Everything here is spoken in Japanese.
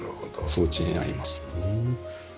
装置になります。